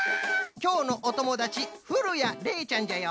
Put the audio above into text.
きょうのおともだちふるやれいちゃんじゃよ。